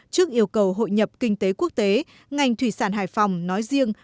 trước yêu cầu hội nhập kinh tế quốc tế ngành thủy sản hải phòng nói riêng